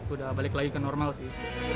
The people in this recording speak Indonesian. udah balik lagi ke normal sih